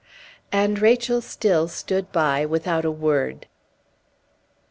And Rachel still stood by without a word.